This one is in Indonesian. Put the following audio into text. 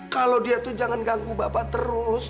kalau dia tuh jangan ganggu bapak terus